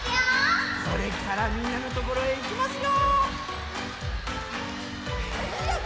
これからみんなのところへいきますよ！